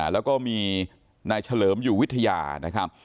แล้วก็มีนายเฉลิมอยู่วิทยานะครับ